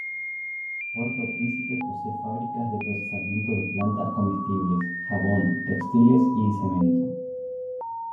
Puerto Príncipe posee fábricas de procesamiento de plantas comestibles, jabón, textiles, y cemento.